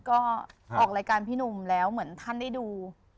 ก็ออกรายการพี่หนุ่มแล้วเหมือนท่านได้ดู